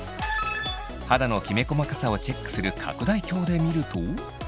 肌のきめ細かさをチェックする拡大鏡で見ると。